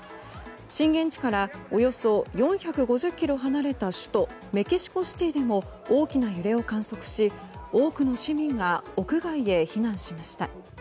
震源地からおよそ４５０ｋｍ離れた首都メキシコシティでも大きな揺れを観測し多くの市民が屋外へ避難しました。